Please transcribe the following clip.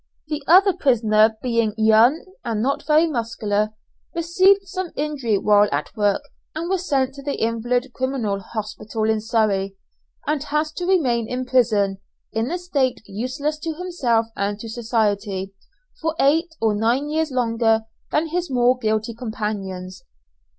The other prisoner, being young and not very muscular, received some injury while at work and was sent to the Invalid Criminal Hospital in Surrey, and has to remain in prison, in a state useless to himself and to society, for eight or nine years longer than his more guilty companions.